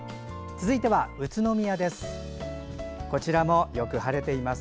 続いては宇都宮です。